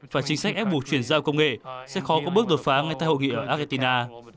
và chính sách ép buộc chuyển giao công nghệ sẽ khó có bước đột phá ngay tại hội nghị ở argentina